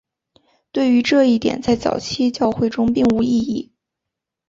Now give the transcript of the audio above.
对于这一点在早期教会中并无异议。